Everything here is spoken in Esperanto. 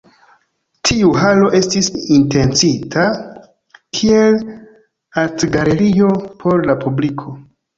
Tiu Halo estis intencita kiel artgalerio por la publiko.